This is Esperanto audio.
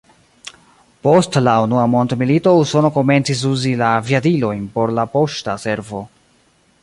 Post la Unua mondmilito Usono komencis uzi la aviadilojn por la poŝta servo.